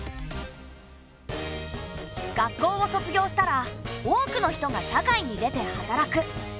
学校を卒業したら多くの人が社会に出て働く。